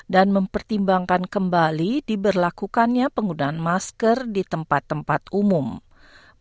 mempertimbangkan kembali diberlakukannya penggunaan masker di tempat tempat umum